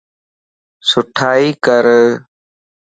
سٺائي ڪر